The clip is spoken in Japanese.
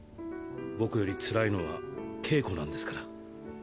僕よりつらいのは茎子なんですから。